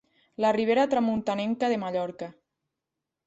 La ribera tramuntanenca de Mallorca.